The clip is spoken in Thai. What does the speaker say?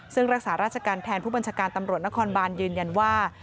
ซึ่งรักษาราชการแทนผู้บัญชาการตำรวจนครบานยืนยันว่า